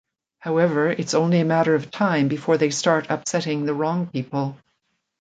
However, it's only a matter of time before they start upsetting the wrong people.